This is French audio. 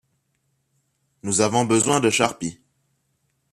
Nous avons besoin de charpie.